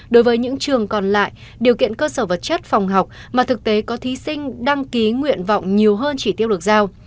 đối với những trường còn lại điều kiện cơ sở vật chất phòng học mà thực tế có thí sinh đăng ký nguyện vọng nhiều hơn chỉ tiêu được giao